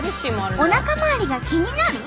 おなか回りが気になる？